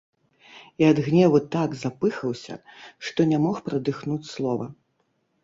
І ад гневу так запыхаўся, што не мог прадыхнуць слова.